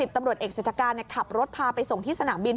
ตำรวจเอกเศรษฐการขับรถพาไปส่งที่สนามบิน